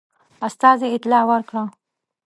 استازي اطلاع ورکړه.